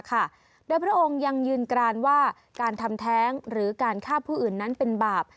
โดยพระองค์ยังยืนกรานว่าการทำแท้งหรือการฆ่าผู้อื่นนั้นเป็นบาป